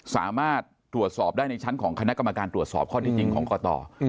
สามารถตรวจสอบได้ในชั้นของคณะกรรมการตรวจสอบข้อที่จริงของกต